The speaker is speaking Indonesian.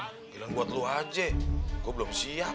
panggilan buat lu aja gua belum siap